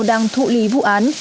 đang thụ lý vụ án